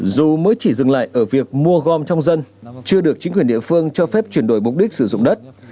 dù mới chỉ dừng lại ở việc mua gom trong dân chưa được chính quyền địa phương cho phép chuyển đổi mục đích sử dụng đất